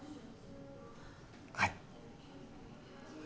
はい